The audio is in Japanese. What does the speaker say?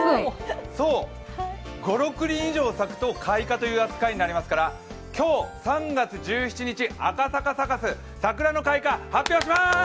そう、５６輪以上咲くと開花という扱いになりますから、今日３月１７日、赤坂サカス、桜の開花、発表します！